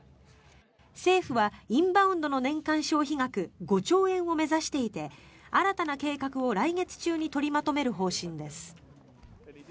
政府はインバウンドの年間消費額５兆円を目指していて新たな計画を来月中に取りまとめる方針です。